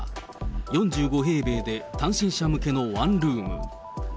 ４５平米で単身者向けのワンルーム。